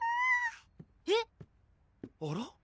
あら？